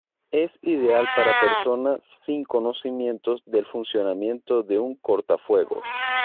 Es ideal para personas sin conocimientos del funcionamiento de un cortafuegos.